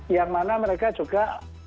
yang mana mereka juga